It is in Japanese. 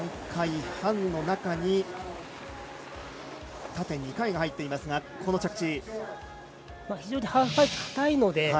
３回半の中に縦２回が入っていますがその着地で。